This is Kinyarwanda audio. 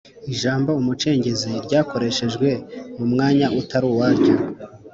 Ijambo “Umucengezi” ryakoreshejwe mu mwanya utari uwaryo